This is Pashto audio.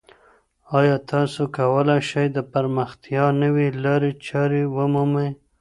ایا تاسو کولای شئ د پرمختیا نوې لارې چارې ومومئ؟